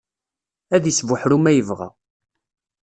Ad isbuḥru ma yebɣa.